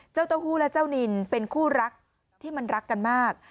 เจ้าเต้าหู้และเจ้านินเป็นคู่รักที่มันรักกันมาก